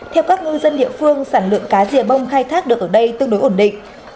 theo các ngư dân địa phương sản lượng cá rìa bông khai thác được ở đây tương đối ổn định